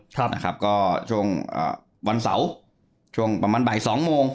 ครับนะครับก็ช่วงอ่าวันเสาร์ช่วงประมาณบ่ายสองโมง